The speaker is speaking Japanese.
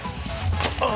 あ！